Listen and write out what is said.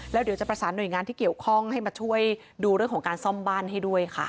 แล้วเดี๋ยวจะประสานหน่วยงานที่เกี่ยวข้องให้มาช่วยดูเรื่องของการซ่อมบ้านให้ด้วยค่ะ